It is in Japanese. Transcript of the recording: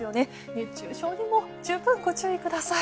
熱中症にも十分ご注意ください。